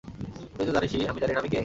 তুইতো জানিসই, আমি জানিনা আমি কে?